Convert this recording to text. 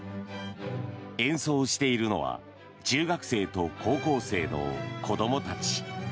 演奏をしているのは中学生と高校生の子どもたち。